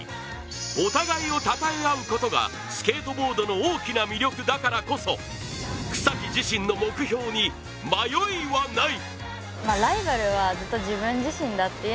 お互いをたたえ合うことがスケートボードの大きな魅力だからこそ、草木自身の目標に迷いはない。